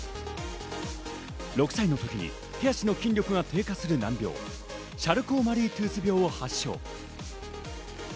６歳のとき手足の筋力が低下する難病シャルコー・マリー・トゥース病を発症。